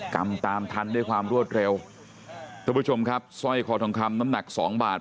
กรรมตามทันด้วยความรวดเร็วท่านผู้ชมครับสร้อยคอทองคำน้ำหนักสองบาท